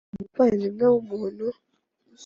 niba umuvandimwe w umuntu